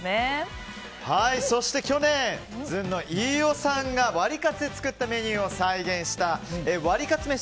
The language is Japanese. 去年、ずんの飯尾さんがワリカツで作ったメニューを再現した、ワリカツ飯！